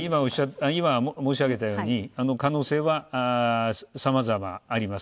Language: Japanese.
今、申し上げたように可能性はさまざまあります。